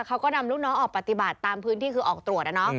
เขาก็นำลูกน้องออกปฏิบัติตามพื้นที่คือออกตรวจ